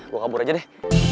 gue kabur aja deh